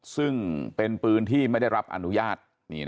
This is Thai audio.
ซึ่งเป็นปืนที่ไม่ได้รับอนุญาต